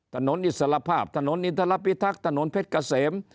อิสรภาพถนนอินทรพิทักษ์ถนนเพชรเกษม